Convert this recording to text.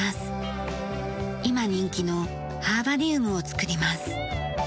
今人気のハーバリウムを作ります。